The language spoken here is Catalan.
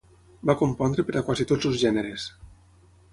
Va compondre per a quasi tots els gèneres.